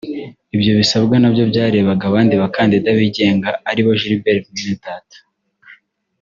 Ibyo bisabwa nabyo byarebaga abandi bakandida bigenga aribo Gilbert Mwenedata